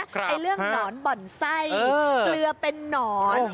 ไอ้เรื่องหนอนบ่อนไส้เกลือเป็นนอน